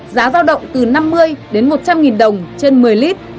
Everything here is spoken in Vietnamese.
giá giao động từ năm mươi đến một trăm linh nghìn đồng trên một mươi lít